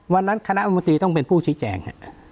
วันนั้นคณะอนุมัติต้องเป็นผู้ชิดแจง